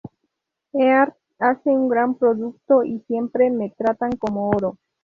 Pearl hace un gran producto, y siempre me tratan como oro.